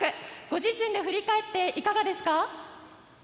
ご自身で振り返っていかがですか？